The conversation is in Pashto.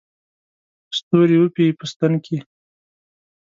ستوري وپېي په ستن کې